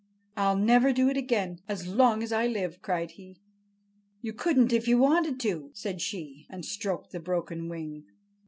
"I'll never do it again as long as I live!" cried he. "You couldn't if you wanted to," said she, and stroked the broken wing.